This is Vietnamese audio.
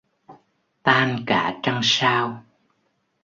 Tan cả trăng sao